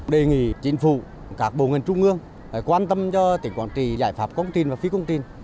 đề nghị chính phủ các bộ ngân trung ương quan tâm cho tỉnh quảng trị giải pháp công trình và phía công trình